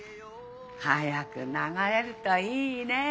早く流れるといいね。